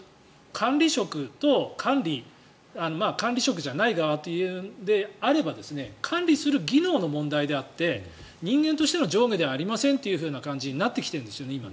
管理職と管理職じゃない側というのであれば管理する技能の問題であって人間としての上下ではありませんという感じに今、なってきているんですよね。